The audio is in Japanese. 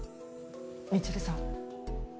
未知留さん